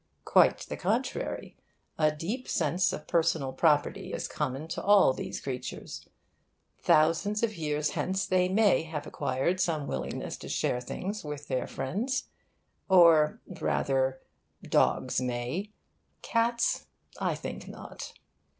Quite the contrary. A deep sense of personal property is common to all these creatures. Thousands of years hence they may have acquired some willingness to share things with their friends. Or rather, dogs may; cats, I think, not.